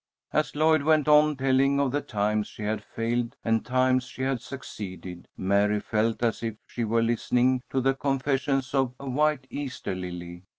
As Lloyd went on, telling of the times she had failed and times she had succeeded, Mary felt as if she were listening to the confessions of a white Easter lily.